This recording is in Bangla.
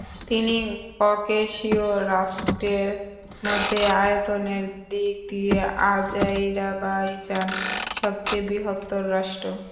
তিনটি ককেশীয় রাষ্ট্রের মধ্যে আয়তনের দিক দিয়ে আজারবাইজান সবচেয়ে বৃহত্তম রাষ্ট্র।